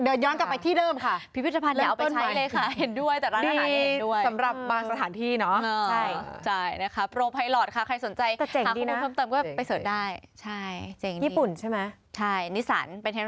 อันนี้ดูเป็นธุรกิจนะคะนั่งวนไปข่าวนั่งวนชมไปข่าว